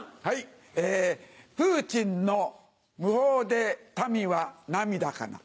プーチンの無法で民は涙かな。